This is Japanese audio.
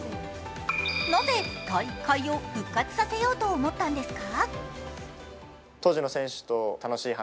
なぜ大会を復活させようと思ったんですか？